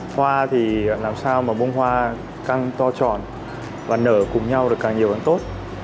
hoa thì làm sao mà bông hoa càng to tròn và nở cùng nhau được càng nhiều càng tốt